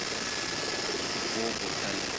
د اوبو بوتل،